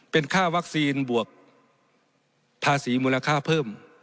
เป็นค่าวัคซีนบวกภาษีมูลค่าเพิ่ม